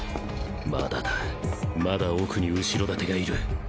まだだまだ奥に後ろ盾がいる！